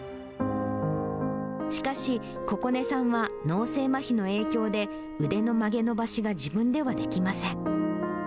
しかし、ここねさんは、脳性まひの影響で、腕の曲げ伸ばしが自分ではできません。